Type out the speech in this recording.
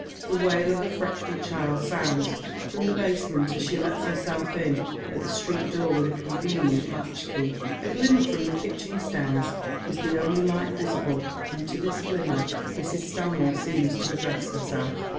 The wail of a fretful child sounds from the basement as she leia herself in at the street door with a convenient latch key. A glimmer fi om the kitchen stairs is ths only light visible, and to this gliiinner Mrs. Stanmore seems to address herself.